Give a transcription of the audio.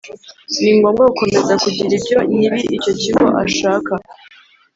Ni ngombwa gukomeza kugira ibyo nyir icyo cyigo ashaka